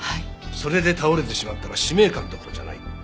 それで倒れてしまったら使命感どころじゃない。